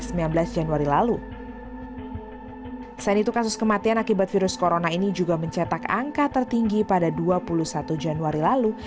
selain itu kasus kematian akibat virus corona ini juga mencetak angka tertinggi pada dua puluh satu januari lalu